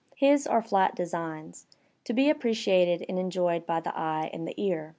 His are flat designs, to be appreciated and enjoyed by the eye and the ear.